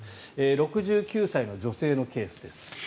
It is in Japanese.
６９歳の女性のケースです。